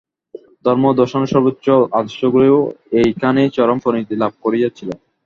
ধর্ম ও দর্শনের সর্বোচ্চ আদর্শগুলি এইখানেই চরম পরিণতি লাভ করিয়াছিল।